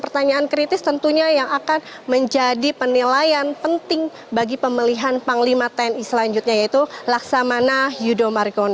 pertanyaan kritis tentunya yang akan menjadi penilaian penting bagi pemilihan panglima tni selanjutnya yaitu laksamana yudo margono